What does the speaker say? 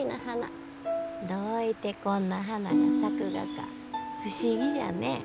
どういてこんな花が咲くがか不思議じゃね。